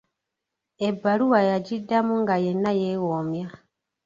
Ebbaluwa yagiddamu nga yenna yeewoomya.